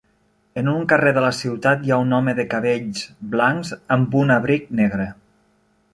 En un carrer de la ciutat hi ha un home de cabells blancs amb un abric negre.